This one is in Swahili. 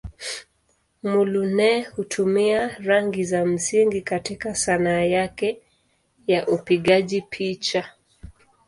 Muluneh hutumia rangi za msingi katika Sanaa yake ya upigaji picha.